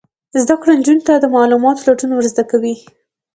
زده کړه نجونو ته د معلوماتو لټون ور زده کوي.